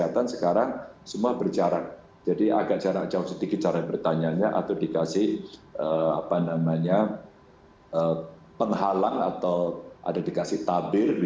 terima kasih pak dir